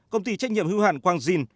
công ty trách nhiệm hưu hạn quang dinh